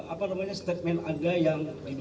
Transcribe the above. apa namanya statement ada yang